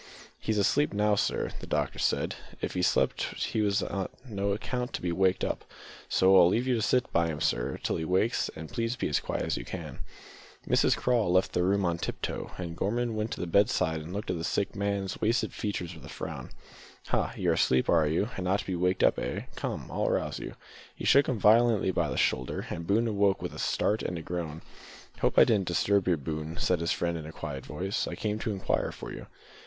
"He's asleep now, sir; the doctor said if he slept he was on no account to be waked up, so I'll leave you to sit by him, sir, till he wakes, and, please, be as quiet as you can." Mrs Craw left the room on tip toe, and Gorman went to the bedside and looked on the sick man's wasted features with a frown. "Ha! you're asleep, are you, and not to be waked up eh? Come, I'll rouse you." He shook him violently by the shoulder, and Boone awoke with a start and a groan. "Hope I didn't disturb you, Boone," said his friend in a quiet voice. "I came to inquire for you."